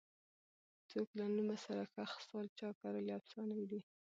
څوک له نومه سره ښخ سول چا کرلي افسانې دي